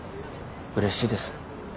うれしいです。